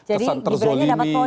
jadi gibran nya dapat poin